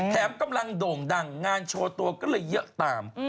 แถมกำลังโด่งดังงานโชว์ตัวก็เลยเยอะตาม